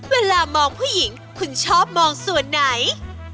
เวลามองผู้หญิงคุณชอบมองส่วนไหน